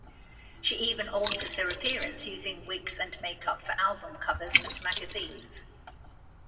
She even alters her appearance using wigs and make-up for album covers and magazines.